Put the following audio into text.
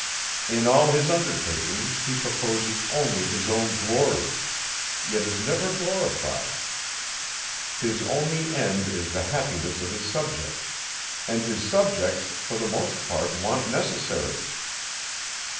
In all his undertakings, he proposes only his own glory; yet is never glorified. His only end is the happiness of his subjects; and his subjects, for the most part want necessaries.